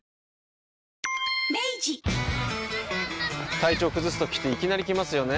体調崩すときっていきなり来ますよね。